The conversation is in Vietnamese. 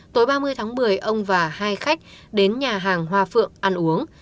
tối ba mươi tháng một mươi ông và hai khách đến nhà hàng hoa phượng ăn uống